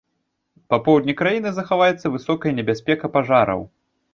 Па поўдні краіны захаваецца высокая небяспека пажараў.